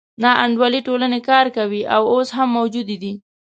ناانډولې ټولنې کار کوي او اوس هم موجودې دي.